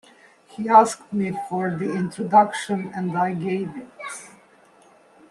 He asked me for the introduction, and I gave it.